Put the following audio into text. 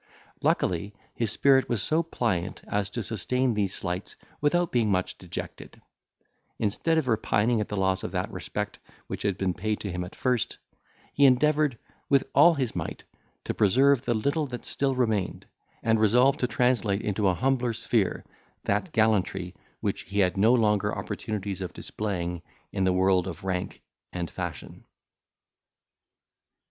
Luckily, his spirit was so pliant as to sustain these slights without being much dejected; instead of repining at the loss of that respect which had been paid to him at first, he endeavoured, with all his might, to preserve the little that still remained, and resolved to translate into a humbler sphere that gallantry which he had no longer opportunities of displaying in the world of rank and fashion.